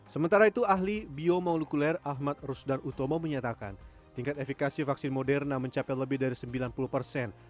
sementara itu ahli biomolekuler ahmad rusdan utomo menyatakan tingkat efekasi vaksin moderna mencapai lebih dari sembilan puluh persen